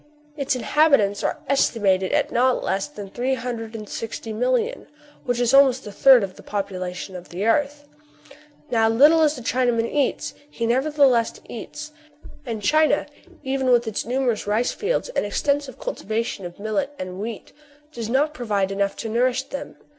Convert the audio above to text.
Its inhabitants are estimated at not less than three hundred and sixty million, which is almost a third of the population of the earth. Now, little as the Chinaman eats, he nevertheless eats ; and China, even with its numerous rice fields, and extensive cultivation of millet and wheat, does not provide enough to nourish him.